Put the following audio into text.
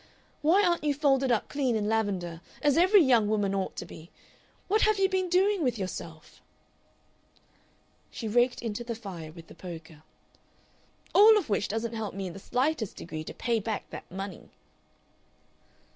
Why aren't you folded up clean in lavender as every young woman ought to be? What have you been doing with yourself?..." She raked into the fire with the poker. "All of which doesn't help me in the slightest degree to pay back that money."